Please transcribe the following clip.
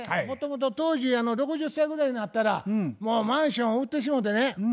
もともと当時６０歳ぐらいになったらもうマンションを売ってしもうてね